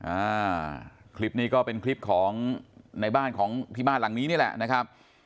อ่าคลิปนี้ก็เป็นคลิปของในบ้านของที่บ้านหลังนี้นี่แหละนะครับ